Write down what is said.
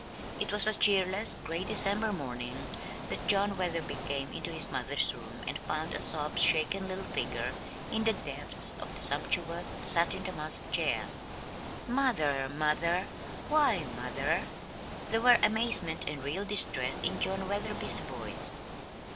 It was a cheerless, gray December morning that John Wetherby came into his mother's room and found a sob shaken little figure in the depths of the sumptuous, satin damask chair. "Mother, mother, why, mother!" There were amazement and real distress in John Wetherby's voice.